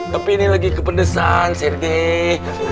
tapi ini lagi kepedesan sirgi